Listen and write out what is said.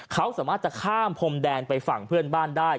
เขาสามารถจะข้ามพรมแดนไปฝั่งเพื่อนบ้านได้